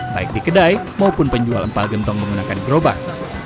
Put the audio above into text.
baik di kedai maupun penjual empal gentong menggunakan gerobak